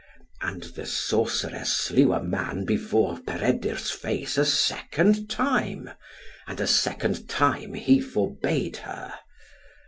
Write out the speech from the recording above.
And the sorceress slew a man before Peredur's face a second time, and a second time he forbade her.